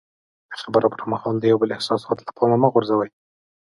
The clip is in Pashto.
د خبرو پر مهال د یو بل احساسات له پامه مه غورځوئ.